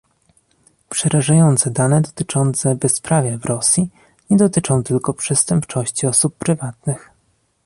Przerażające dane dotyczące bezprawia w Rosji nie dotyczą tylko przestępczości osób prywatnych